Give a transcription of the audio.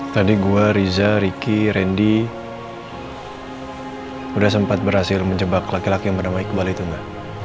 tadi gue riza riki randy udah sempat berhasil menjebak laki laki yang bernama iqbal itu enggak